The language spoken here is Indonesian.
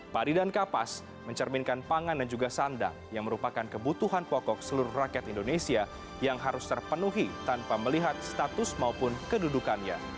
padi dan kapas mencerminkan pangan dan juga sandang yang merupakan kebutuhan pokok seluruh rakyat indonesia yang harus terpenuhi tanpa melihat status maupun kedudukannya